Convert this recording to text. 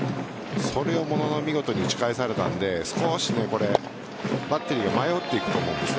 それをものの見事に打ち返されたので少しバッテリーは迷っていくと思うんです。